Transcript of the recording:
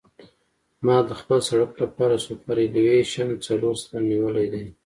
ما د خپل سرک لپاره سوپرایلیویشن څلور سلنه نیولی دی